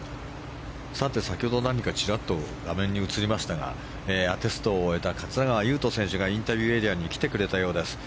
さて、先ほど何かチラッと画面に映りましたがアテストを終えた桂川有人選手がインタビューエリアに来てくれたようです。